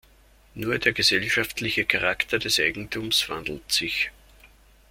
Nur der gesellschaftliche Charakter des Eigentums wandelt sich.